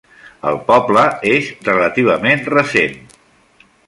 El poble és relativament recent.